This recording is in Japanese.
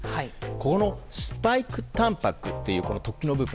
この、スパイクたんぱくという突起の部分